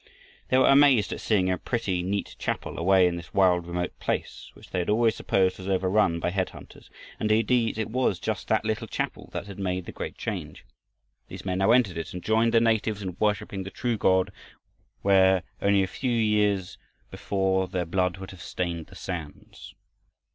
They were amazed at seeing a pretty, neat chapel away in this wild, remote place, which they had always supposed was overrun by head hunters, and indeed it was just that little chapel that had made the great change. These men now entered it and joined the natives in worshiping the true God, where, only a few years before, their blood would have stained the sands.